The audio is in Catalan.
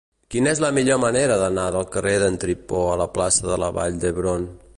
Quina és la millor manera d'anar del carrer d'en Tripó a la plaça de la Vall d'Hebron?